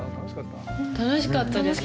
楽しかったです。